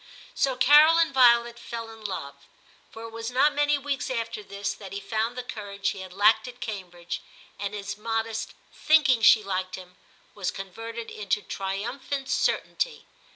232 TIM CHAP. So Carol and Violet fell in love ; for it was not many weeks after this that he found the courage he had lacked at Cambridge, and his modest * thinking she liked him' was converted into triumphant certainty.